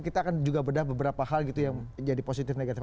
kita akan juga bedah beberapa hal gitu yang jadi positif negatif